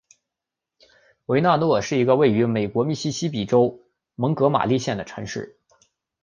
威诺纳是一个位于美国密西西比州蒙哥马利县的城市。